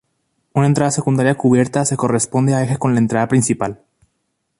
Una entrada secundaria cubierta se corresponde a eje con la entrada principal.